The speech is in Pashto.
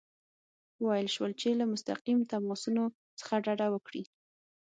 وویل شول چې له مستقیم تماسونو څخه ډډه وکړي.